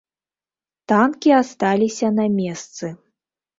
Танкі асталіся на месцы.